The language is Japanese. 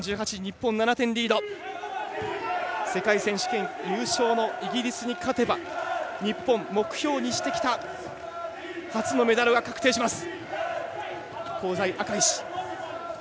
世界選手権優勝のイギリスに勝てば日本、目標にしてきた初のメダルが確定します。